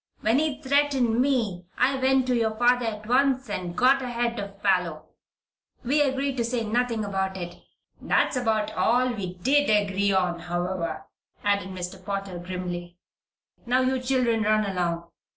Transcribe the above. When he threatened me I went to your father at once and got ahead of Parloe. We agreed to say nothing about it that's about all we did agree on, however," added Mr. Potter, grimly. "Now you children run along.